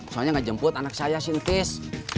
soalnya gak jemput anak saya si tis